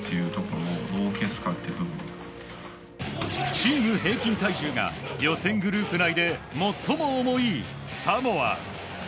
チーム平均体重が予選グループ内で最も重い、サモア。